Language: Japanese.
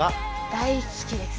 大好きです